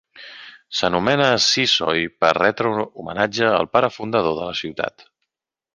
S'anomena Sysoy per retre homenatge al pare fundador de la ciutat.